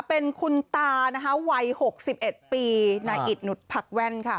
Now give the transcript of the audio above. เป็นคุณตานะคะวัยหกสิบเอ็ดปีนายอิตนุษย์พักแว่นค่ะ